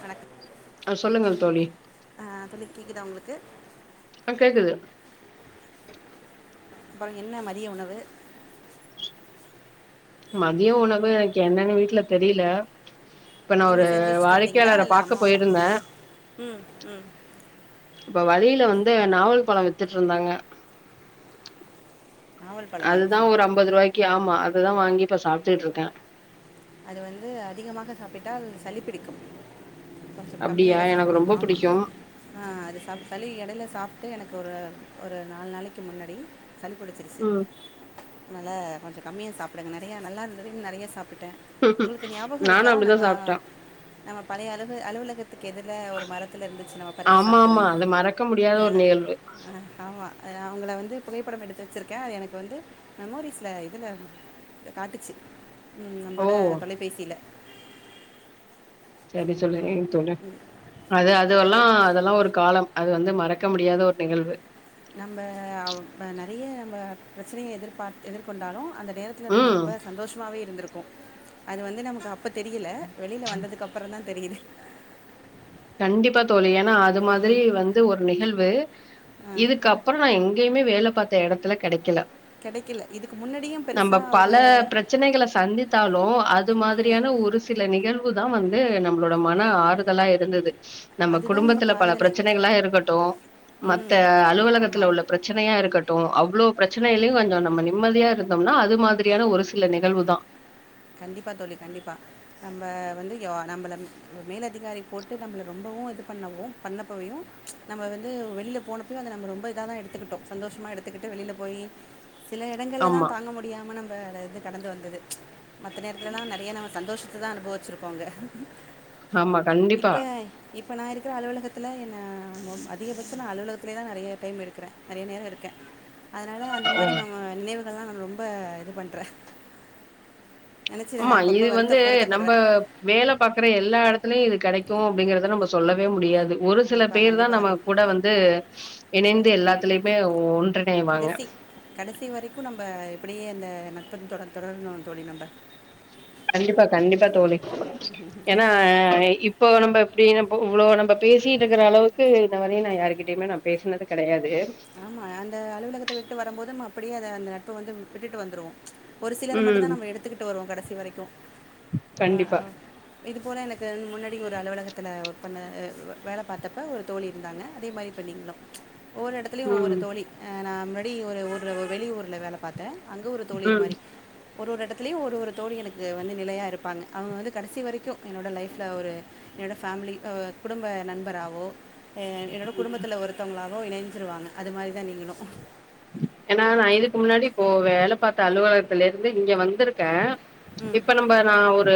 வணக்கம் அ சொல்லுங்கள் தோழி கேக்குதா உங்குளுக்கு அ கேக்குது இப்ப அங்க என்ன மதிய உணவு மதிய உணவு எனக்கு என்னன்னு வீட்ல தெரில இப்ப நா நீங்க ஒரு செஞ்சுவெச்சுட்டு வந்தீங்ளா வாடிக்கையாளர இல்ல பாக்க அம்மாவா போயிருந்தே ம் ம் இப்ப வழில வந்து நாவல் பழம் வித்துட்டு இருந்தாங்க நாவல் பழம் வாங்கி அதுதா சார் ஒரு அம்பதுருவாய்க்கு ஆமா அதுதா வாங்கி இப்ப சாப்பிட்டுட்டு இருக்க அது வந்து அதிகமாக சாப்பிட்டால் சளி பிடிக்கும் கொஞ்ச அப்டியா கம்மியாதா எனக்கு சாப்டு ரொம்ப ஆமா புடிக்கு ஆ அது சாப் [unintelligible] எடையில சாப் வந்துட்டு எனக்கு ஒரு ஒரு நாலு நாளைக்கு முன்னாடி சளிப்புச்சிருச்சி ம் நல்லா கொஞ்ச கம்மியா சாப்டுங்க நெறைய நல்லா இருந்ததுன்ன நெறைய சாப்டுட்டே நானு அப்டிதா சாப்ட்டே நம்ம பழைய அலக அலுவல [inaudible] அதுக்கு எதிர்ல ஒரு மரத்தில இருந்துச்சு நம்ம பறிச்சு ஆமா சாப்ட்டோமே ஆமா அது மறக்க முடியாத ஆ ஒரு நிகழ்வு ஆ ஆமா அவங்கள வந்து புகைப்படம் எடுத்து வச்சுருக்கே அது எனக்கு வந்து மெமோரிஸ்ல இதில காட்டுச்சு ஓ ல தொலைபேசியில சரி சொல்லுறே தோடா அது அதுல்லா உங்களுக்கு அதெல்லா ஒரு காலம் து வந்து மறக்க முடியாத ஒரு நிகழ்வு நம்ம அவ் நெறைய ம நம்ம பிரச்சனைய எதிர்பார் எதிர்கொண்டாலு அந்த நேரத்தில நம்ம ம் ரொம்ப சந்தோஷமாவே இருந்திருக் க்கு அது வந்து நமக்கு அப்போ தெரியல வெளியில வந்ததுக்கப்பறந்தா தெரியுது கண்டிப்பா தோழி ஏன்னா அது மாதிரி ம். வந்து ஒரு நிகழ்வு ஆ. இதுக்கப்புற நா எங்கயுமே வேல பத்து எடத்துல கெடைக்கல கிடைக்கல. இதுக்கு முன்னாடியும் நம்ம பெருசா பல ஒரு பிரச்சனைகளை சந்தித்தாலு அது ம். மாதிரியான ஒரு சில நிகழ்வு தா வந்து க்கு நம்மளோட மன ஆறுதலா இருந்தது நம்ம அதுதான் நமக்கு குடும்பத்துல பல ஆறுதலே. பிரச்சனைகளா இருக்கட்டு மத்த ம். அலுவலகத்துல ஆமாம். உள்ள பிரச்சனையா இருக்கட் ட்டு அவ்ளோ பிரச்சனைல்லயு கொஞ்ச நம்ம நிம்மதியா இருந்தோம்னா அது மாதிரியான ஒரு சில நிகழ்வு தா கண்டிப்பா தோழி கண்டிப்பா நம்ம வந்துயோ நம்மள மேலதிகாரி போட்டு நம்மள ரொம்பவு இது பண்ணவு பண்ணப்பையு நம்ம வந்து வெளியில போனப்பையும் அத நம்ம ரொம்ப இதாதா எடுத்துக்கிட்டோ சந்தோஷமா எடுத்துக்கிட்டு வெளியில போய் சில இடங்கள்ல தா ஆமா தாங்க முடியாம நம்ம இது கடந்து வந்தது மத்த நேரத்துலல்லா நெறைய நா சந்தோஸ் த்துதா அனுபவிச்சிருக்கோங்க ஆமா கண்டிப்பா இப்ப இப்ப நாய்ருக் இருக்கிற அலுவலகத்தில என்ன அதிகபட்ச நா அலுவலகத்துலயே தா நெறைய டைம் எடுக்கிறே நெறைய நேர இருக்க அதனால அந்த மாதிரிவா நினைவு அதெல்லா நா ரொம்ப இது பண்ற ஆமா இது வந்து நம்ப வேல பாக்குற எல்லா எடத்துலயு இது கெடைக்கு அப்டிங்கறத நம்ம சொல்லவே முடியாது து ஒரு சில கண்டிப்பாக பேர் தா கண்டிப்பாக நம்ம அது கூட வந்து இணைந்து எல்லாத்துலயுமே ஒன்றிணைவாங்க ப இப்டியே இந்த நட்பதுன் தொடர் தொடர்னூ தோழி நம்ப கண்டிப்பா கண்டிப்பா தோழி ஏனா இப்போ நம்ப எப்டின இவ்ளோ நம்ப பேசிட்டு இருக்குற அளவுக்கு இந்த வந்து நா யாருக்கிட்டயுமே நா பேசுனது கெடையா ஆமா அந்த அலுவலகத்த விட்டு வரும்போதும் நா அப்டியே அத அந்த நட்ப வந்து விட் விட்டுட்டு வந்துருவோ ஒரு சிலது மட்டு தா ம் நம்ம எடுத்துக்கிட்டு வருவோ கடசி வரைக்கு கண்டிப்பா இது போன எனக்கு முன்னாடி ஒரு அலுவலகத்துல ஒர்க் பண்ண அ வேல பார்த்தப்ப ஒரு தோழி இருந்தாங்க அதே மாரி இப்போ நீங்களு ஒரு துலியு ஒவ்வொரு ம் தோழி ஆ நா முன்னடி ஒரு ஊர்ல ஒரு வெளி ஊர்ல வேல பாத்தே அங்கயு ஒரு தோழி இது ம் மாரி ஒரு ஒரு எடத்துலயு ஒரு ஒரு தோழி எனக்கு வந்து நிலையா இருப்பாங்க அவங்க வந்து கடைசி வரைக்கு என்னோட லைஃப்ல ஒரு என்னோட ஃபேமிலி ஓ குடும்ப நண்பராவோ எ என்னோட ம். குடும்பத்துல ஒருத்தவங்களா வோ என்னன் துருவாங்க அது மாரிதா நீங்களு ஏனா நா இதுக்கு முன்னாடி இப்போ வேல பாத்த அலுவலகத்துல இருந்து இங்க வந்துருக் க ம் இப்ப நம்ப நா ஒரு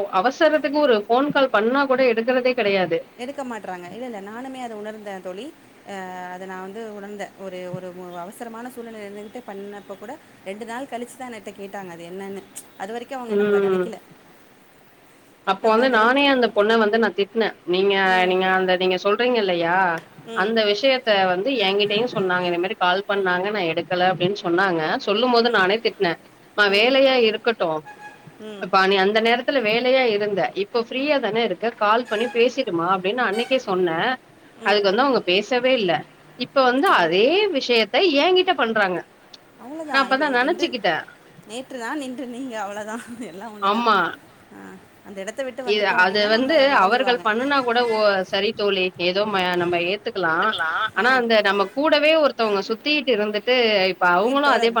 ஒ அவசரத்துக்கு ஒரு ஃபோன் கால் பண்ணா கூட எடுக்கறதே கெடையாது எடுக்க மாட்றாங்க இல்லல்ல நானுமே அது உணர்ந்தே தோழி ஆ அத நா வந்து உணர்ந்தே ஒரு ஒரு அவசரமான சூழ்நெலையில இருந்துகிட்டு பண்ணப்ப கூட ரெண்டு நாள் கழிச்சுதா எங்கள்ட்ட கேட்டாங்க அது என்னனு அது வரைக்கு அவங்க நம்மள ம் நனைக்கில அப்போ வந்து நானே அந்த பொண்ண வந்து நா திப்பியு வெ நீங்க ம் நீங்க அந்த நீங்க சொல்றீங்கல்லயா ம் அந்த விஷயத்த வந்து எங்கிட்டயு சொன்னாங்க இந்த மாரி கால் பண்ணாங்க நா எடுக்கல அப்டின் சொன்னாங்க சொல்லும்போது ம் நானே திட்னே ம ம் வேலையா இருக்கட்டு ம் ப்பா நீ அந்த நேரத்துல வேல யா இருந்த இப்ப ஃப்ரீயா தான இருக் க கால் பண்ணி பேசிடுமா அப்டின் நா அன்னைக்கே சொன்ன அதுக்கு வந்து அவங்க பேசவே இல்ல இப்ப வந்து அதே விஷயத்த ஏங்கிட் ட பண்றாங்க அவ்ளோ தா நா இப்ப அப்பதா இ நின்று நெனச்சுக்கிட்டே நேற்று தா நின்றுனீங்க அவ்ளோ தா எல்லா ஒன்னு தா ஆமா ஆ இது அது வந்து அவர்கள் பண்ணுனா கூட ஓ சரி தோழி இப் எ தோ ம நம்ம ஏத் துக்கலா எடுத்துக்கலாம் ஆ ஆனா அந்த நம்ம கூடவே ஒருத்தவங்க சுத்திட்டிருந்துட் உயிர் தோழன்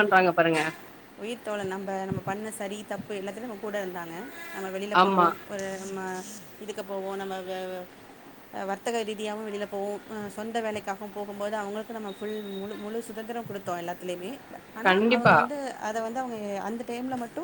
உயிர் தோழன் நம்ப நம்ம பண்ண சரி தப்பு எல்லாத்துலயு நம்ம கூட இருந்தா நம்ம வெளில போவோ ஆமா ஒரு நம்ம இதுக்கு போவோ நம்ம வெ வ அ வர்த்தக ரீதியாவு வெளில போவோ அ சொந்த வேலைக்காகவு போகும்போது அவங்களுக்கு நம்ம ஃபுல் முழு முழு சுதந்திரம் குடுத் தோ எல்லாத்லயுமே ஆனா அவங்க கண்டிப்பா வந்து அத வந் து அவங்க அந்த டைம்ல மட்டு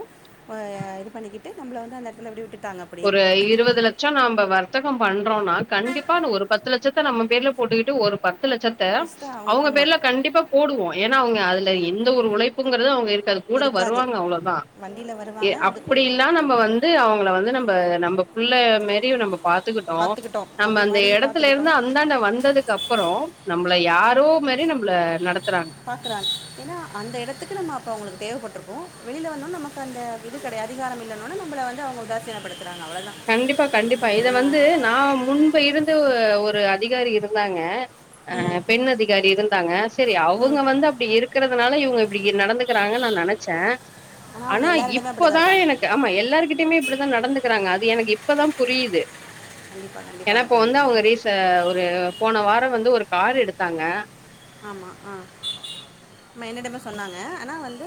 அ இது பண்ணிக்கிட்டு நம்பள வந்து அந்த எடத்துல அப்டே விட்டுட் ஒரு இருவது லட்சோ நம்ப வர்த்த கோ பண்றோனா கண்டிப்பா ந ஒரு பத்து லட்சத்த நம்ம பேர்ல போட்டுக்கிட்டு ஒரு பத் து லட்சத்த ஃபஸ்ட்டு அவங்க ஆமாம் பேர்ல கண்டிப்பா போடுவோ ஏன்னா அவங்க அதுல எ ந்த ஒரு உழைப்புங்கறது அவங்க இருக் காது கூட இருக்காது வருவாங்க அவ்ளோ தா வண்டியில் எ வருவாங்க அதுக்கும் அப்படியில்லா நம்ம வந்து அவங்கள வந்து நம் ப நம்ப புள்ள மேரியு நம்ம பாத்துக்கிட்டோ பார்த்துக்கிட்டோம் நம்ம தம்பி அந்த மாதிரி எடத்துலருந்து பார்த்துக்கிட்டோம் அந்தாண்ட வந்ததுக்கப்பறோ நம்மள யாரோ மாரி நம்ம பாக்கறாங் ஏன்னா அந்த எடத்துக்கு நம்ம அப்போ அவங்களுக்கு தேவப்பட்ருக்கு வெளில வந்தொட்ன் நமக்கு அந்த இது கெடையாது அதிகாரம் இல்லன ஒட்னே நம்மள வந்து அவ உதாசீனப்படுத் கண்டிப்பா கண்டிப்பா இத வந்து நா முன்பு இருந்து ஒ ஒரு அதிகாரி இருந்தாங்க அ ம் பெண் அதிகாரி இருந்தாங்க செரி ம் அவுங்க வந்து அப்டி இருக்கறதுனால இவுங்க இப்டி இ நடந்துக்கறாங்கன் நா நெனச்சே ஆனால் அவங்க ஆனா எல்லாரிடமே அப்படி இப்ப தான் தா இருக்காங்க எனக்கு ஆமா எல்லாருகிட்டயுமே இப்டி தா நடந்துக்கறாங்க அ இப்ப தா புரியிது கண்டிப்பாக ஏனா கண்டிப்பாக இப்ப வந்து தோழிங்களா அவங்க ரீச ஒரு போன வாரோ வந்து ஒரு கார் எடுத் க்காங்க ஆமா ஆ ஆமா என்னிடமே சொன்னாங்க ஆனா வந்து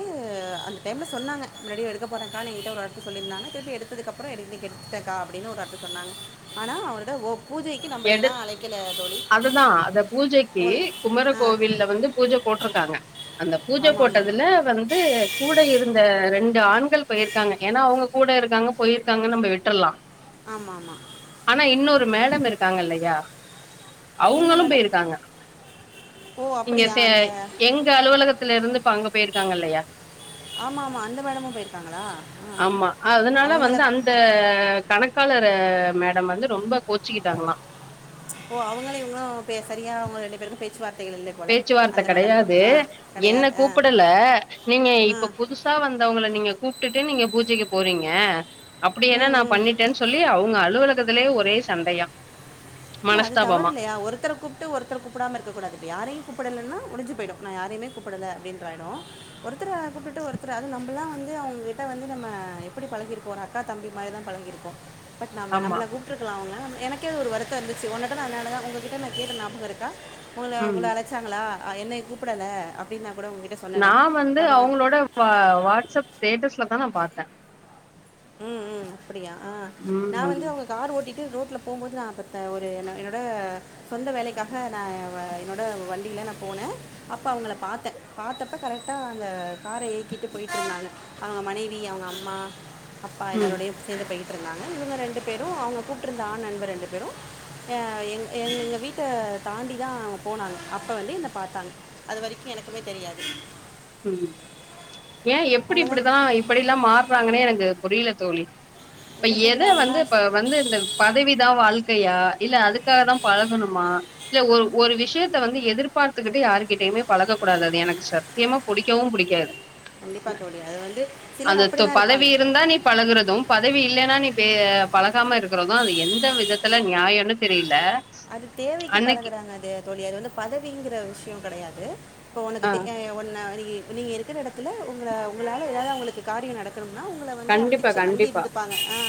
அந்த டைம்ல சொன்னாங்க முன்னாடி எடுக்க போறங்க்கானு எங்கிட்ட ஒரு வார்த்த சொல்லிருந்தாங்னா திருப்பி எடுத்ததுக்கப்பறோ [unintelligible] இன்னிக் எடுத்துட்டக்கா அப்படினு ஒரு வார்த்த சொன்னாங்க ஆனா அவரோட ஓப் எது அதுதா அத பூஜைக்கு உங்களை குமர ஆ கோவில்ல வந்து பூஜ போட்ருக்காங்க அந்த பூஜ ஆமாம் ஆமாம் போட்டதுல வந்து கூட இருந்த ரண்டு ஆண்கள் போயிருக்காங்க ஏனா அவுங்க கூட இருந்தாங்க போயிருக்காங்கன் நம்ம விட்ரலா ஆமாம் ஆமாம் ஆனா இன்னொரு மேடம் இரு க்காங்கல்லையா என்ன அவுங்களு மேடம் போயிருக்காங்க ஓ இங்க அப்படியா செ அந்த எங்க அலுவலகத்துல இருந்து இப்ப அங்க போயிருக்காங்க இல்லையா ஆமாம் ஆமாம் அந்த மேடமும் போயிருக்காங்களா ஆ ஆமா அதனால அவங்கள வந்து அந்த கணக்காளர அ மேடம் வந்து ரொம்ப கோச்சுகிட்டாங்ளா ஓ அவங்களு இவங்களு பே சரியா அவுங்க ரெண்டு பேருக்கு பே பேச்சுவார்த்த கெடயாது என்ன கிடையாது ஆ கூப்புடல நீங்க இப்ப ஆ புதுசா வந்தவங்கள நீங்க கூப்ட்டுட் டு நீங்க பூஜைக்கு போறிங்க அப்டி என்ன ம் நா ம் பண்ணிட்டன் சொல்லி அவுங்க அலுவல கத்துலயே ஒரே சண்டையா இல்ல அது மனஸ்தாபமா தவறில்லயா ஒருத்தர கூப்ட்டு ஒருத்தர கூப்படாம இருக்க கூடாது யாரையு கூப்புடலனா முடிஞ்சு போயிடு நா யாரைமே கூப்படல அப்டின்றாய்டு ஒருத்தர கூப்டுட்டு ஒருத்ர அது நம்பலா வந்து அவுங்ககிட்ட வந்து நம்ம எப்புடி பழகிருக்கோ ஒரு அக்கா தம்பி மாரிதா பழகிருக்கோ பட் நாம ஆமா நம்பள கூப்ட்ருக்லா அவுங்க எனக் கே ஒரு வரு த்த இருந்துச்சு ஒன்னட்ட நானு அதனாலதா உங்ககிட்ட நா கேட்ட ஞாபகோ இருக்கா உங்குள உங்குள ம் அழச்சாங்களா ஆ என்னய கூப்படல அப்டின்னா நா வந்து அவுங்களோட வா வாட்ஸ்அப் ஸ்டேட்டஸ்ல தா நா பாத்த ம் ம் அப்பிடியா ம் நா வந்து அவுங்க கார் ஓட்டிட்டு ரோட்ல போம்போது நா பத்த ஒரு என்ன என்னோட சொந்த வேலைக்காக நா எ வ என்னோட வண்டில நா போன அப்போ அவுங்கள பாத்த பாத்தப்ப கரெக்டா அந்த கார இயக்கிட்டு போய்ட்ருந்தாங்க அவுங்க மனைவி அவுங்க அம்மா அப்பா ம் எல்லாரோடையு சேந்து போய் ட்ருந்தாங்க இவுங்க ரெண்டு பேரு அவுங்க கூப்ட்ருந்த ஆண் நண்பர் ரெண்டு பேரு ய எங் எங்க வீட்ட தாண்டிதா அவுங்க போனாங்க அப்ப வந்து என்ன பாத்தாங்க அது வரைக்கு எனக்குமே தெரியாது ம் ஏ எப்பிடி அவ்வளோதான் இப்பிடிதா இப்படிலா மார்றாங்கனே எனக்கு இது புரில தோழி இப்ப இல்லை எத தெரியும் வந்து அவங்களாம் ப வந்து இந்த பதவிதா வாழ்க்கையா இல்ல அதுக்காக தா பழகணுமா இல்ல ஒரு ஒரு விஷயத் த்த வந்து எதிர்பார்த்துகிட்டு யாருகிட்டயுமே பழக கூடாது அது எனக்கு சத்யமா புடிக்கவு புடிக்காது கண்டிப்பாக தோழி அது வந்து சிலர் அந்த அப்படி தொ தான் பதவி இருப்பாங்க இருந்தா நீ பழகுறது பதவி இல்லேனா நீ பே பழகாம இருக்குறதுதா அது எந்த விதத்தல நியாயனு தெரில்ல அது தேவைக்கு பழகுறாங்க அது தோழி அது வந்து பதவிங்கிற விஷ்யோ கெடையாது இப்போ ஒனக்கு ஆ தெக்யாமையா ஒன்ன வேலகி ப நீங்க இருகற எடத்துல உங்ள உங்களால எதாது அவுங்களுக்கு காரியோ நட கனும்னா உங்குள வந்து கண்டிப்பா அண்டிச்சு அண்டி கண்டிப்பா இருந்துப்பாங்க ஆ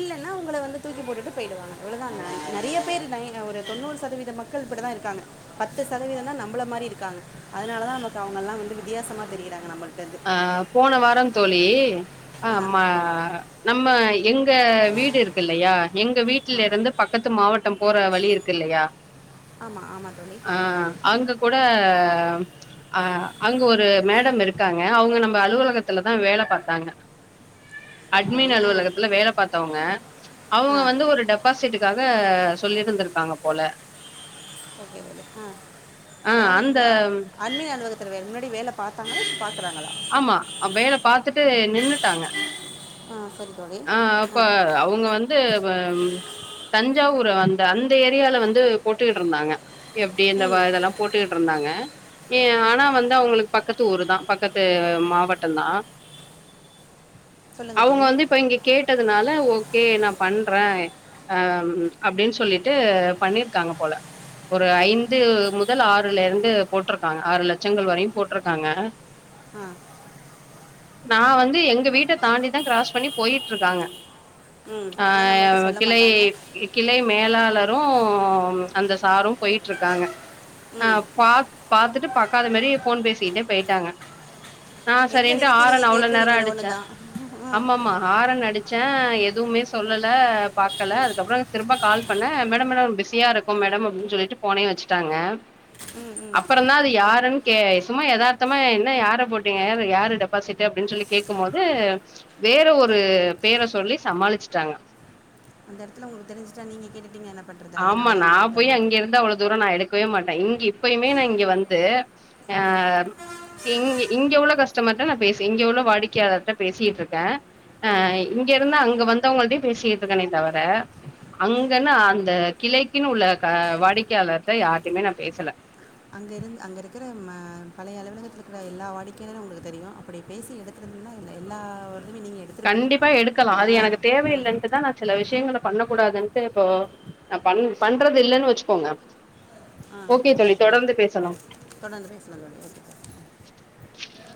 இல்லன்னா உங்கள வந்து தூக்கி போட்டுட்டு போயிடுவாங்க இவ்ளதான நறிய பேரு தைங்க ஒரு தொண்ணூறு சதவீத மக்கள் இப்டிதான் இருக்காங்க பத்து சதவீதம் தா நம்மள மாரி இருக்காங்க அதனாலதா நமக்கு வித்தியாசமா தெரியுறாங்க நம்பளு அ போன வாரங் தோழி அ ஆ அம்மா ந நம்ம எங்க வீடு இருக்கு இல்லையா எங்க வீட்ல ஆ இருந்து பக்கத்து மாவட் டம் போற வழி இருக்கு இல்லையா ஆமாம் ஆமாம் தோழி ஆ அங்க கூட ஆ அங்க ஒரு மேடம் இருக் காங்க அவுங்க நம்ப அலுவலகத்துலதா வேல பாத்தாங்க சரி தோழி அட்மின் ஆ அலுவலகத்துல வேல பாத்தவுங்க அவுங்க ஆ வந்து ஒரு டெபாசிட்டுக்காக சொல்லிட்ருந்திருக் காங்க போல ஓகே தோழி ஆ யாரு அந்த அ அண்ணி அந்த இதுக்கு முன்னாடி வேல பாத்தாங்கலா இப்ப பாத்து ஆமா வேல பாத்துட்டு நின்னுட்டாங்க ஆ சரி தோழி ஆ ப அவுங்க வந்து ம் தஞ்சாவூரு அந்த அந்த ஏரியால வந்து டு போட்டுகிட்ருந்தாங்க எஃப் டி இந்த ம் இதெல்லா போட்டுக்கிட்ருந்தாங்க ம் ஆனா வந்து அவுங்களுக்கு பக்கத்து த்தூருதா பக்கத்து மாவட்டந்தா சொல்லுங்க தோழி இங்கே கேட்டதுனால ஓகே நான் பண்றேன் ஆ ம் அப்டின்னு சொல்லிட்டு பண்ணிருக்காங்க போல ஒரு ஐந்து முதல் ஆறுல இருந்து போட்ருக்காங்க ஆறு லட்சங்கள் வரையும் போட்ருக்காங்க ஆ நான் வந்து எங்க வீட்ட தாண்டிதான் கிராஸ் பண்ணிப் போயிட்ருக்காங்க ம் ஆ ஆனால் நம்மள்ட்ட சொல்ல கிளை மாட்டாங்க இ கிளை மேலாளர் ரும் அந்த சாரும் போயிட்ருக்காங்க ஆ ம் பாத் பாத்துட்டு பாக்காத மாரியே ஃபோன் பேசிகிட்டே போயிட்டாங்க நா எங்க சரின்ட்டு நிறுத்தி நீங்க ஆரன் அவ்ளோ நேரோ கேட்ருவீங்களோன்னு தா ம் நா அடிச்சேன் எதுவுமே சொல்லல பாக்கல அதுக்கப்றம் திரும்ப கால் பண்ணே மேடம் மேடம் பிஸியா இருக்கோம் மேடம் அப்டின்னு சொல்லிட்டு ஃபோனே வச்சுட்டாங்க ம் ம் அப்பறம் தான் அது யாருன் கே சும்மா எதார்த்தமா என்ன யார போட்டீங்க யாரு யாரு டெபாசிட்டு அப்டின்னு சொல்லி கேக்கும்மோது வேற ஒரு ரு பெர சொல்லி சம்மாளிச்ட்டாங்க அந்த எடத்துல உங்களுக்கு தெரிஞ்சிட்டா நீங்க கேட்டுடீங்க என்னப் ஆமா நா போய் அங்கே இருந்தா அவ்ளோ தூரம் நான் எடுக்கவே மாட்டே இங் எப்பயுமே நா இங்க வந்து ஆ ம் இங் இங்க உள்ள கஸ்டமர்ட நா பேசி இங்க உள்ள வாடிக்கையாளர்ட்ட பேசியிட்டுருக்கே ஆ ம் இங்கிருந்து அங்க வந்தௌங்கள்ட்டயு பேசியிட்டுருக்கனே தவர அங்கனா த கிளைக்கின் உள்ள க வாடிக்கையாளர்ட்ட யார்ட்டயுமே நா பேசல அங்க இருந் அங்கிருக்கறம் ம பழைய அலுவலகத்துருக்ற எல்லா வாடிக்கையாளரு உங்குள தெரியு அப்டி பேசி எடுத்து வந்தீங்கனா எல் எல்லா இதுவுமே நீங்கள் எடுத்திருப்பீங்க கண்டிப்பா எடுக்கலா அது ஆ எனக்கு ஆ தேவையில்லன்ட்டுதா நா சில விஷயங்கள பண்ண கூடாதுன்ட்டு இப்போ நா பண் பண்றது இல்லன் வெச்சுக்கோங்க ஆ ஓகே தோழி தொடர்ந்து பேசலா தோழி ஓகே [inaudible]